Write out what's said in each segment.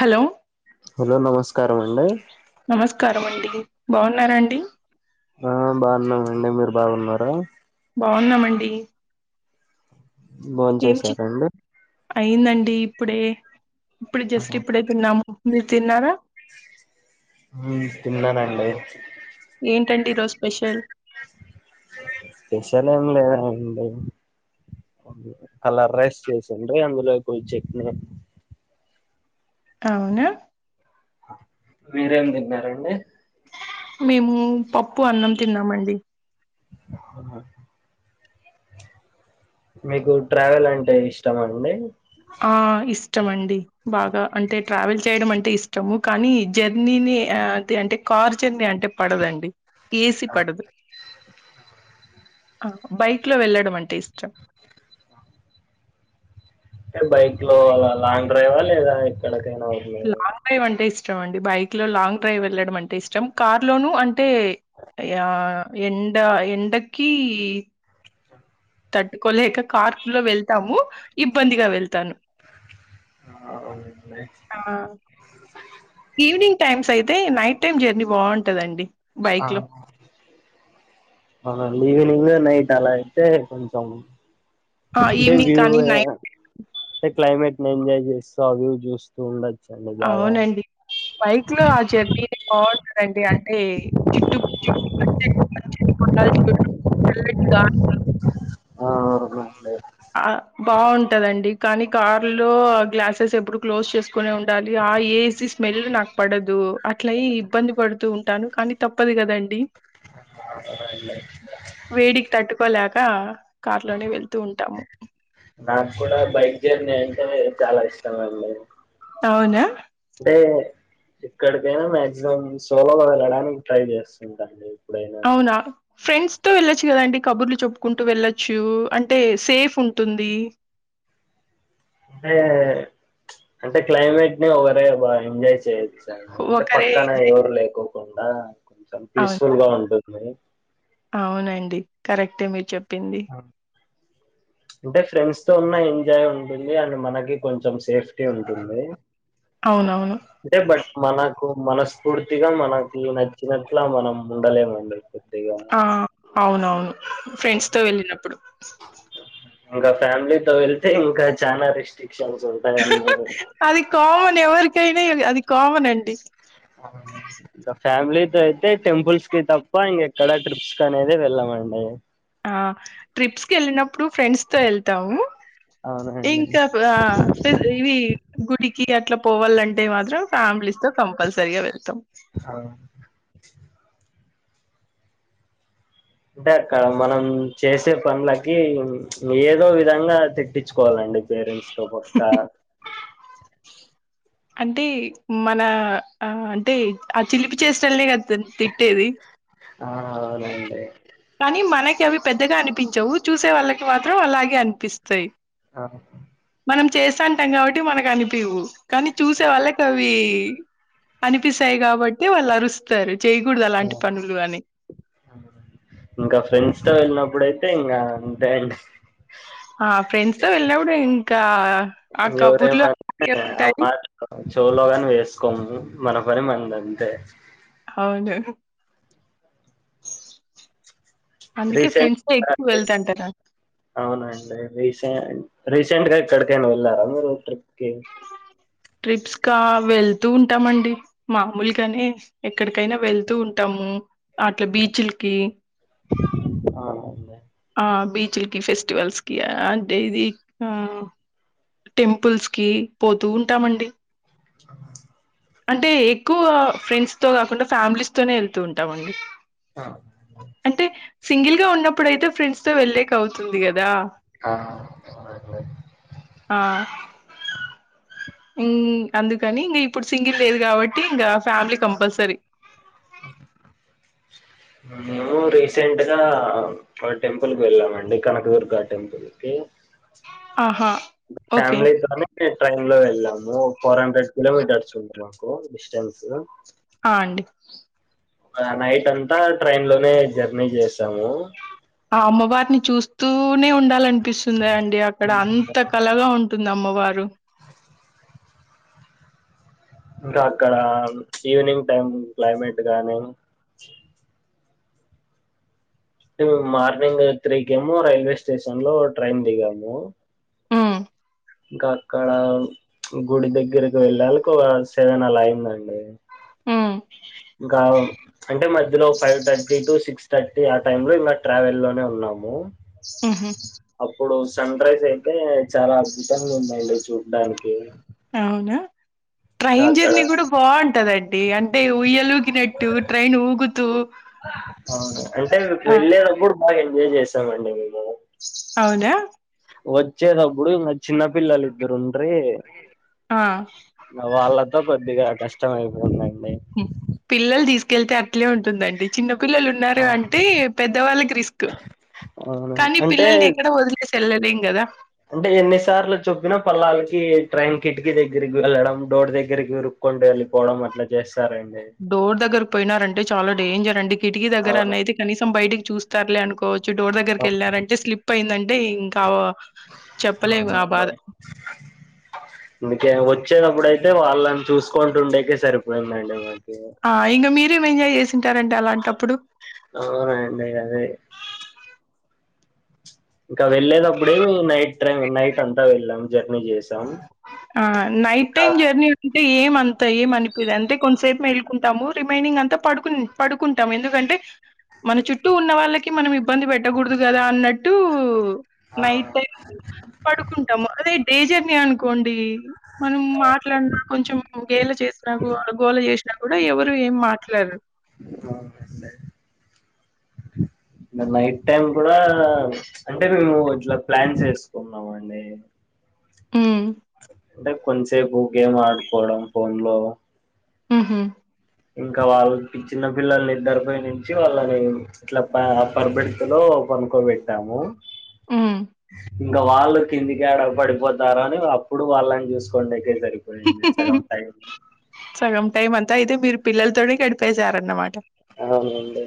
Hello hello నమస్కారం అండి నమస్కారం అండి బాగున్నారాండి ఆ బాగున్నామండి మీరు బాగున్నార బాగున్నామండి బోన్ ఏం చి చేసారండి అయిందండి ఇప్పుడే ఇప్పుడు జస్ట్ ఇప్పుడే తిన్నాము మీరు తిన్నారా తిన్ననండి ఏంటండి ఈరోజు స్పెషల్ స్పెషల్ ఏం లేదండి కలర్ రెస్ చేసిండీ అందులో కొ చట్నీ అవునా వీరేం తిన్నారండి మేము పప్పు అన్నం తిన్నామండి అవునా మీకు ట్రావెల్ అంటే ఇష్టం అండి ఆ ఇష్టం అండి బాగా అంటే ట్రావెల్ చేయడం అంటే ఇష్టము కానీ జర్నీనే అ అంతే అంటే కార్ జర్నీ అంటే పడదండి ఏ సీ పడదు ఆ బైక్ లో వెళ్ళడం అంటే ఇష్టం టే బైక్ లో అలా లాంగ్ డ్రైవా లేదా ఎక్కడికైనా ఊర్లే డైవ్ అంటే ఇష్టం అండి బైక్ లో లాంగ్ డ్రైవ్ వెళ్లడం అంటే ఇష్టం కార్ లోనూ అంటే యా ఎండ ఎండకి తట్టుకోలేక కార్కు లో వెళ్తాము ఇబ్బందిగా వెళ్తాను అ అవునండి ఆ ఈవనింగ్ టైమ్స్ ఐ తే నైట్ టైం జర్నీ బావుంటదండి ఆ బైక్‌లో. అవునండి ఈవెనింగ్ నైట్ అలా ఎళ్తే కొంచెం ఆ! డే ఈవినింగ్ వ్యూ కానీ నైట్ క్లైమేట్ నీ ఎంజాయ్ చేస్తూ ఆ వ్యూ చూస్ తూ ఉండొచ్చండి బాగా అవునండి బైక్ లో ఆ జర్నీ బావుంటదండి అంటే చుట్టు [unintelligible] ఆ అవునండి ఆ బావుంటదండి కానీ కార్ లో గ్లాసెస్ ఎప్పుడూ క్లోజ్ చేసుకునే ఉండాలి ఆ ఏ సీ స్మెల్ నాకు పడదు అట్లయ్యి ఇబ్బంది పడుతూ ఉంటాను కానీ తప్పదు కదండి అవునండి. వేడికి తట్టుకోలేక ట్లోనే వెళ్తూ ఉంటాము నాకు కూడా బైక్ జర్నీ అంటేనే చాలా ఇష్టం అండి అవునా టే ఎక్కడికైనా మాక్సిమం సోలోగా వెళ్ళడానికి ట్రై చేస్ సుంటా అండి ఎప్పుడైనా అవునా ఫ్రెండ్స్ తో వెళ్ళొచ్చు కదండి కబుర్లు చెప్పుకుంటూ వెళ్లొచ్చు అంటే సేఫ్ ఉంటుంది టే అంటే క్లైమేట్ ని ఒకరే బా ఎంజాయ్ చేయొచ్చు డి అంటే ఒకరే పక్కనే ఎవరు లేకోకుండా కొంచెం అవునా పీస్ఫుల్ గా ఉంటుంది అవునండి కరెక్టే మీరు చెప్పింది అంటే ఫ్రెండ్స్ తో ఉన్న ఎంజాయ్ ఉంటుంది అండ్ మనకీ కొంచెం సేఫ్ టీ ఉంటుంది అవునవును అంటే బట్ మనకు మనస్ఫూర్తిగా మనకి నచ్చినట్లా మనం ఉండలేమండి కొద్దిగా ఆ అవునవును ఫ్రెండ్స్ తో వెళ్ళినప్పుడు ఇంక ఫ్యామిలీతో వెళ్తే ఇంకా చనా రిస్ట్రిక్షన్స్ ఉంటాయన్నీ అది కామన్ ఎవరికైనా యది అది కామన్ అండి ఇంకా ఫ్యామిలీ తో అయితే టెంపుల్స్ కి తప్ప ఇంగె ఇక్కడ ట్రిప్స్ అనేది వెళ్ళామండి ఆ ట్రిప్స్కి వెళ్ళినప్పుడు ఫ్రెండ్స్ తో వెళ్తాము అవునండి ఇంకా ఆ ఇవి గుడికి అట్లా పోవాలంటే మాత్రం ఫ్యామిలీస్ తో కంపల్సరీగా వెళ్తాం హ అంటే అక్కడ మనం చేసే పనులకి ఏదో విధంగా తిట్టించుకోవాలండి పేరెంట్స్ తో పక్క అంటే మన ఆ అంటే ఆ చిలిపి చేష్టలనే కదా తిట్టేది ఆ అవునండి కానీ మనకి అవి పెద్దగా అనిపించవు చూసే వాళ్ళకి మాత్రం అలాగే అనిపిస్తాయ్ ఆ మనం చేస్తాంటాం కాబట్టి మనకు అనిపీవు కానీ చూసే వాళ్ళ వి అనిపిస్తాయి కాబట్టి వాళ్ళు అరుస్తారు చేయకూడదు అలాంటి పనులు అని ఇంకా ఫ్రెండ్స్ తో వెళ్ళినప్పుడయితే ఇంకా అంతే అండి ఆ ఫ్రెండ్స్ తో వెళ్ళినప్పుడు ఇంకా ఆ కబుర్లు అలాగే ఎవరేమన్నా ఉంటాయి. ఆమాట్ చెవులో గాని వేసుకోము మన పని మనందంతే అవును అందుకే రీసెంట్ ఫ్రెండ్స్తో ఎక్కువ వెళ్తాంటారు అవునండి రీసెంట్ రీసెంట్ గా ఎక్కడికైనా వెళ్ళారా మీరు ట్రిప్ కి ట్రిప్స్ కా వెళ్తూ ఉంటామండి మామూలుగానే ఎక్కడికైనా వెళ్తూ ఉంటాము అట్లా బీచ్లకి ఆ అదే ఆ బీచుల్కి ఫెస్టివల్స్కి అంటే ఇది టెంపుల్స్ కి పోతూ ఉంటామండి అవు అంటే ఎక్కువ ఫ్రెండ్స్ తో కాకుండా ఫ్యామిలీస్ తోనే వెళ్తూ ఉంటామండి ఆ అంటే సింగిల్ గా ఉన్నప్పుడుయితే ఫ్రెండ్స్ తో వెళ్లేకవుతుంది కదా ఆ ఆ ఉమ్ అందుకని ఇంకా ఇప్పుడు సింగిల్ లేదు కాబట్టి ఇంకా ఫ్యామిలీ కంపల్సరీ అ నేను రీసెంట్గా ఓ టెంపుల్కి వెళ్ళామండి కనకదుర్గ టెంపుల్ కి ఆ ఫ్యామిలీతోనే ట్రైన్ లో వెళ్ళాము ఫోర్ హండ్రెడ్ కిలోమీటర్స్ ఉంది మాకు డిస్టెన్స్ ఆ అండి నైట్ అంతా ట్రైన్ లోనే జర్నీ చేసాము ఆ అమ్మవారిని చూస్తూనే ఉండాలనిపిస్తుంది అండి అక్కడ అంత కలగా ఉంటుంది అమ్మవారు అ ఇంకా అక్కడ ఈవినింగ్ టైమ్ క్లైమేట్ గానీ అంటేే మార్నింగ్ త్రీ కేమో రైల్వే స్టేషన్ లో ట్రైన్ దిగాము మ్ ఇంకాక్కడ గుడి దగ్గరకి వెళ్ళాలకు ఒక సేవేన్ అలా అయిందండి మ్ ఇంకా అంటే మధ్యలో five thirty to six thirty ఆ టైమ్ లో ఇంకా ట్రావెల్ లోనే ఉన్నాము మ్హు [inaudible] అప్పుడు సన్ రైజ్ అయితే చాలా అద్భుతంగా ఉందండి చూడ్డానికి అవునా ట్రైన్ అక్కడ జర్నీ కూడా బాగుంటదం డి అంటే ఉయ్యలుగినట్టు ట్రైన్ ఊగుతూ అవును అంటే ఆ వెళ్ళేటప్పుడు బాగా ఎంజాయ్ చేసాము అండి మేము అవునాా వచ్చేటప్పుడు ఇంగ చిన్న పిల్లలీద్దరుండీ ఆ ఇగ వాళ్ళతో కొద్దిగా కష్టం అయిపోందండి పిల్లలు తీసుకెళ్తే అట్లే ఉంటుందండి చిన్న పిల్లలు ఉం న్నారు ఆ అంటే పెద్దవాళ్ళకి రిస్క్ అవునా కానీ అంటే పిల్లల్ని ఎక్కడ వదిలేసి వెళ్ళలేం కదా అంటే ఎన్నిసార్లు చొప్పినా పల్లాలకి ట్రైన్ కిటికి దగ్గరికి వెళ్ళడం డోర్ దగ్గరికి ర్ కొంటు వెళ్ళిపోవడం అట్లా చేస్తారండి డోర్ దగ్గర పోయినారంటే చాల డేంజర్ అండి కిటికి దగ్గర అవును అయితే కనీసం బయటకి చూస్తారులే అనుకోవచ్ చ్చు డోర్ దగ్గరికి వెళ్ళారంటే స్లిప్ అయిందంటే ఇంకా చెప్పలేము నా బాధ అవునండి అందుకే వచ్చేటప్పుడుఅయితే వాళ్ళని చూసుకుంటుండేకే సరిపోయిందండి మకి ఆ ఇంగ మీరేం ఎంజాయ్ చేసింటారండి అలాంటప్పుడు అ అండి అదే ఇంకా వెళ్ళేటప్పుడేము నైట్ టైమ్ నైట్ అంతా వెళ్ళాం జర్నీ చేస్ అ నైట్ టైమ్ జర్నీ అంటే ఏమంతా ఏమనిపిదు అంటే కొంతసేపు వెళ్ళుకుంటాము రిమైనింగ్ అంతా పడుకుం పడుకుంటాం ఎందుకంటే మన చుట్టూ ఉన్న వాళ్ళకి మనం ఇబ్బంది పెట్టకూడదు కదా అన్నట్టు నైట్ పడుకుంటాము అదే డేంజర్ ని అనుకోండి మనం మాట్లాడినా కొంచెం గేల చేసిన గోల చే టప్పుడు ఎవరు ఎం మాట్లాడరు అవును అండి నైట్ టైమ్ కూడా అంటే మేము ఇట్లా ప్లాన్ చేసుకున్నామండి మ్ అంటే కొంతసేపు గేమ్ ఆడుకోవడం ఫోన్ లో మ్ హు ఇంకా వాళ్ళు చిన్న పిల్లల్ని ఇద్దరి పై నుంచి వాళ్ళని ఇట్లా పరబెడితలో పనుక్కోబెట్టాము హ్మ్. ఇంకా వాళ్ళు కిందికేడ పడిపోతారో అని అప్పుడు వాళ్ళని చూసుకోడికే సరిపో పోఇంది సగం టైం సగం టైమ్ అంతా అయితే మీరు పిల్లలతోనే గడిపేశారన్నమాట అవునండి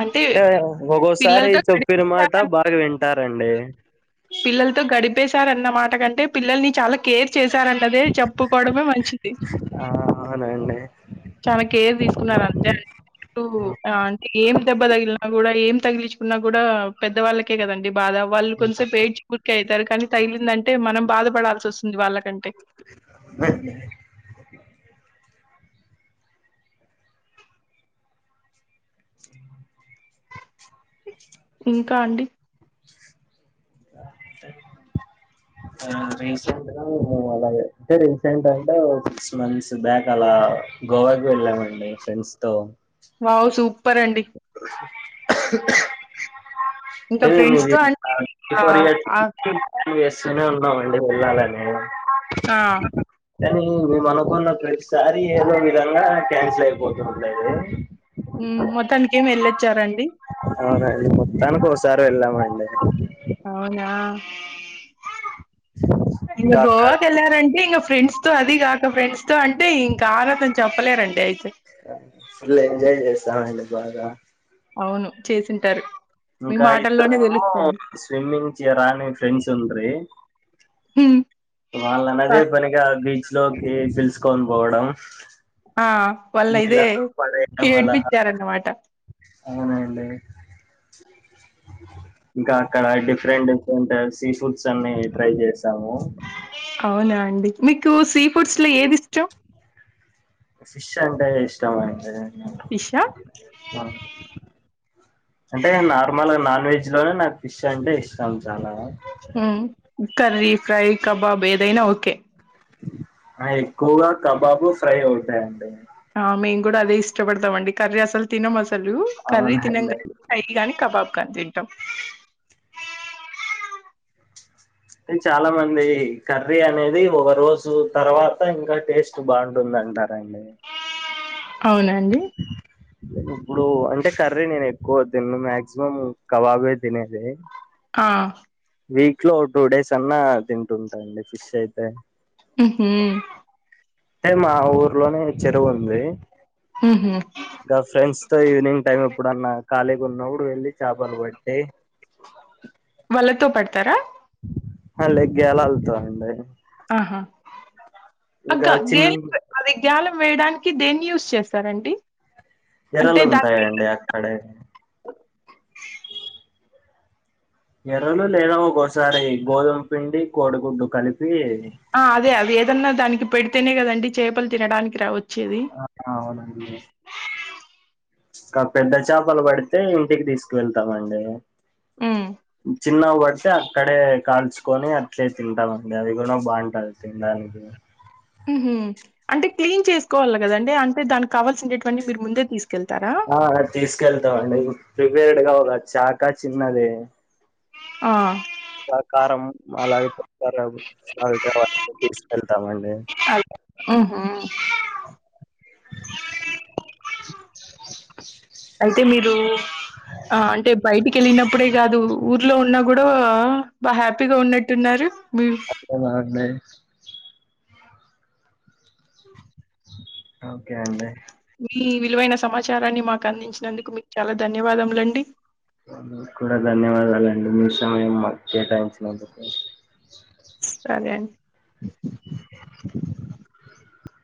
అంటే అ ఒక్కోసారి పిల్లలతో చెప్పిన మాట గడిపేసారన్ బాగా వింటారండి పిల్లలతో గడిపేశారు అన్నమాట కంటే పిల్లల్ని చాలా కేర్ చేశారన్నదే చెప్పుకోవడమే మంచిది ఆ అవునండి చాలా కేర్ తీసుకున్నారంతే ఉ అంటే ఏం దెబ్బ తగిలినా కూడా ఏం తగిలించుకున్నా కూడా పెద్దవాళ్ళకే కదండి బాధ వాళ్ళు కొంసేపు ఏడ్చి ఊర్కే అయితారు కానీ తగిలిందంటే మనం బాధపడాల్సి వస్తుంది వాళ్ళకంటే అ ఇంకా అండి అది నీ ఇష్టం అలా అయితే రీసెంట్ అంటే సిక్స్ మంత్స్ బ్యాక్ అలా గోవాకి వెళ్ళామండి ఫ్రెండ్స్తో వావ్ సూపర్ అండి ఇంకా ఫ్రెండ్స్‌తో అంటే ఆహ్, ఆహ్, [unintelligible] ఎస్తేనే ఉన్నావు అండి వెళ్ళాలనే ఆ కానీ మేము అనుకున్న ప్రతిసారి ఏదో విధంగా క్యాన్సిల్ అయిపోతుం [unintelligible] ఉ మొత్తానికి ఏం వెళ్ళొచ్చారండి అవున మొత్తాను కోసారి వెళ్లామండి అవునా ఇక ఇంకా అక్కడ గోవాకి వెళ్లారంటే ఇంగ ఫ్రెండ్స్ తో అది కాక ఫ్రెండ్స్ తో అంటే ఇంకా ఆగదు అని చెప్పలేరండి అయితే ఫుల్ ఎంజాయ్ చేసామండి బాగా అవును చేసింటారు ఇంకా ఇద్దరు స్విమ్మింగ్ చేయరా అని ఫ్రెండ్స్ ఉండ్రి ఉ వాళ్ళని అదే పనిగా బీచ్ లోకి పిలుసుకొని పోవడం ఆ వాళ్ళు ఇదే నీళ్ళలో పడేయడం అలా ఏడిపించారన్నమాట అవునండి ఇంకా అక్కడ డిఫరెంట్ డిఫరెంట్ సీ ఫుడ్స్ అన్ని ట్రై చేసాము అవునా అండి మీకు సీ ఫుడ్స్ లో ఏది ఇష్టం ఫిష్ అంటే ఇష్టమండి ఫిషా ఆ అంటే నార్మల్ గా నాన్ వెజ్ లోనే నాకు ఫిష్ అంటే ఇష్టం చాలా ఉ కర్రీ, ఫ్రై, కబాబ్ ఏదైనా ఓకే ఆ ఎక్కువగా కబాబు, ఫ్రై ఉంటాయండి ఆ మేము కూడా అదే ఇష్టపడతాం అండి కర్రీ అసలు తినం అసలు కర్రీ తినం అవునండి కానీ ఫ్రై గానీ కబాబ్ కాని తింటాం అది చాలా మంది కర్రీ అనేది ఒక రోజు తర్వాత ఇంగా టేస్ బాగుంటుందంటారండి అవునండి ఇప్పుడు అంటే కర్రీ నేను ఎక్కువ తినను మాక్సిమం కబాబే తినేది ఆ వీక్ లో టూ డేస్ అన్నా తింటుంటా అండి ఫిష్ అయితే ఉహూ టే మా ఊర్లోనే చెరువు ఉంది ఊహూ కా ఫ్రెండ్స్ తో ఈవినింగ్ టైమ్ ఎప్పుడన్నా ఖాళీగున్నప్పుడు వెళ్ళి చాపలు పట్టి వలతో పడతారా హా లే గేలాల్తో అండి ఆహా అగ్గ చిన్ గేలుకు పె అది గాలం వేయడానికి దేన్ని యూస్ చేస్తారండి అంటే ఎరలు దానికి ఉంటాయండి అక్కడే ఎరలు లేదా ఒక్కోసారి గోధుమ పిండి కోడిగుడ్డు కలిపి ఆ అదే అవి ఏదన్నా దానికి పెడితేనే కదండి చేపలు తినడానికి రా ఒచ్చేది [unintelligible] అవునండి కా పెద్ద చాపలు పడితే ఇంటికి తీసుకువెళ్తామండి హ్మ్. చిన్నవి పడితే అక్కడే కాల్చుకొని అట్లే తింటామండి అవి కూడా బావుంటాది సెన్ దానికి ఊహూ అంటే క్లీన్ చేసుకోవాల కదండి అంటే దానికి కావాల్సిండేటివన్నీ మీరు ముందే తీసుకెళ్తారా ఆ తీసుకెళ్తాం అండి ప్రిపేర్డ్ గా ఒక చాక చిన్నది ఆ ఇంకా కారం అలాగే పెప్పర్ అవి సాల్ట్ అవన్నీ తీసుకెళ్తామండి ఊహూ [unintelligible] అయితే మీరు ఆ అంటే బయటికెళ్ళినప్పుడే గాదు ఊర్లో ఉన్నా గూడా బా హ్యాపీగా ఉన్నట్టున్నారు బి అవునా అండి ఓకే అండి మీ విలువైన సమాచారాన్ని మాకు అందించినందుకు మీకు చాలా ధన్యవాదములండి మీక్కూడా ధన్యవాదాలండి మీ సమయం మాకు కేటాయించినందుకు సరే అండి [inaudible]